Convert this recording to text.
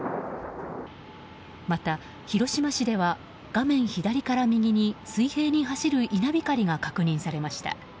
また、広島市では画面左から右に水平に走る稲光が確認されました。